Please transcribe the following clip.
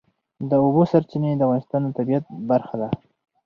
د اوبو سرچینې د افغانستان د طبیعت برخه ده.